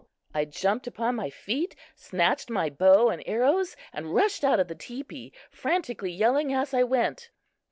'" I jumped upon my feet, snatched my bow and arrows and rushed out of the teepee, frantically yelling as I went.